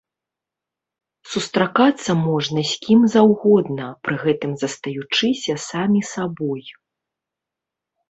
Сустракацца можна з кім заўгодна, пры гэтым застаючыся самі сабой.